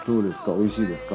美味しいですか？